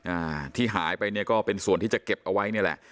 อ่าที่หายไปเนี่ยก็เป็นส่วนที่จะเก็บเอาไว้นี่แหละ